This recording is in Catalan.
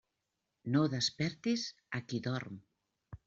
No despertis a qui dorm.